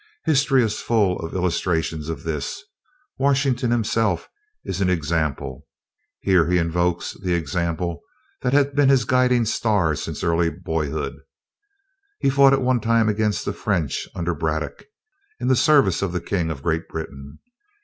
History is full of illustrations of this. Washington himself is an example." (Here he invokes the example that had been his guiding star since early boyhood.) "He fought at one time against the French under Braddock, in the service of the King of Great Britain.